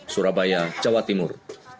surabaya jawa timur